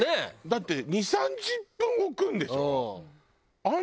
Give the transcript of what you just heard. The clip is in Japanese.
だって２０３０分置くんでしょ？